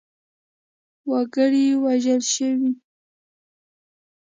وګړي وژل شوي.